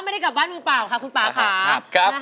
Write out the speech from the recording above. ไม่ได้กลับบ้านมือเปล่าค่ะคุณป่าค่ะ